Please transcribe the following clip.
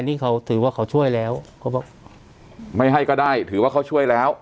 นี่เขาถือว่าเขาช่วยแล้วเขาบอกไม่ให้ก็ได้ถือว่าเขาช่วยแล้ว